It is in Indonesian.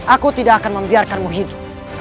aku tidak akan membiarkanmu hidup